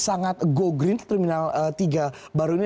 sangat go green terminal tiga baru ini